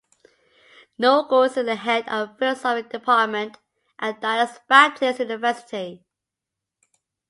Naugle is the head of the philosophy department at Dallas Baptist University.